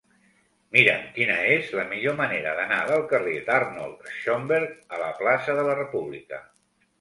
Mira'm quina és la millor manera d'anar del carrer d'Arnold Schönberg a la plaça de la República.